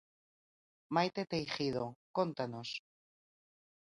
Maite Teijido, cóntanos.